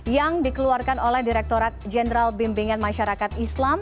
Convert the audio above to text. yang dikeluarkan oleh direkturat jenderal bimbingan masyarakat islam